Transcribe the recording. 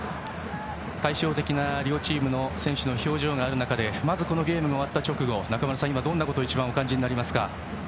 対照的な両チームの選手の表情がある中でまずこのゲームが終わった直後中村さん、どんなことをお感じになりますか？